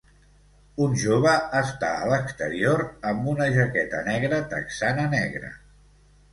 Un jove està a l'exterior amb una jaqueta negra texana negra.